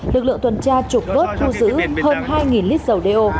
lực lượng tuần tra trục đốt thu giữ hơn hai lít dầu đệ ô